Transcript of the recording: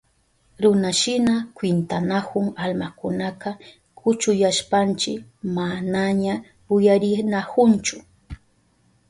Runashina kwintanahun almakunaka, kuchuyashpanchi manaña uyarinahunchu.